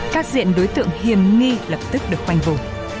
các diện đối tượng hiềm nghi lập tức được hoành vụ